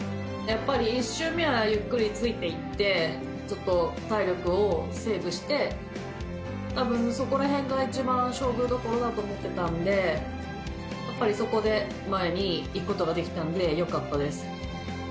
やっぱり１周目はゆっくりついていって、ちょっと体力をセーブして、たぶんそこらへんが一番勝負どころだと思ってたんで、やっぱりそこで前に行くことができたんで、よかったです。